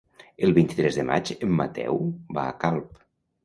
El vint-i-tres de maig en Mateu va a Calp.